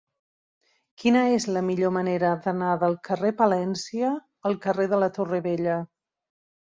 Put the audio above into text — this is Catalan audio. Quina és la millor manera d'anar del carrer de Palència al carrer de la Torre Vella?